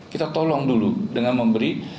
kita tolong dulu dengan memberi